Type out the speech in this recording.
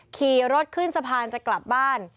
ขี่รถขึ้นสะพานจะกลับบ้าน